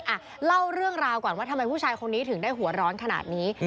อ่ะเล่าเรื่องราวก่อนว่าทำไมผู้ชายคนนี้ถึงได้หัวร้อนขนาดนี้